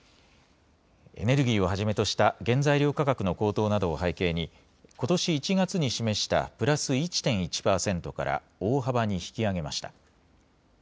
エネルギーをはじめとした原材料価格の高騰などを背景にことし１月に示したプラス１．１％から大幅に引き上げました。